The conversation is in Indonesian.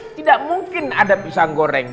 tidak mungkin ada pisang goreng